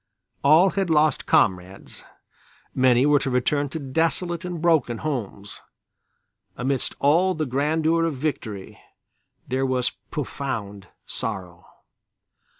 All had lost comrades, many were to return to desolate and broken homes. Amidst all the grandeur of victory there was profound sorrow.